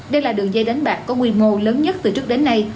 đây là đường dây đánh bạc có quy mô lớn nhất từ trước đến nay